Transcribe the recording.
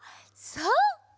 そう。